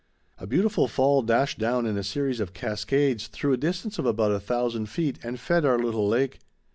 A beautiful fall dashed down in a series of cascades through a distance of about 1000 feet, and fed our little lake.